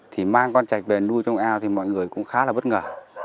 thì mang con chạch về nuôi trong ao thì mọi người cũng khá là bất ngờ